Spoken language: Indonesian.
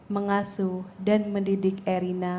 mengasuh dan mendidik erina